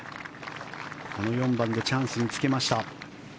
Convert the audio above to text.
この４番でチャンスにつけました。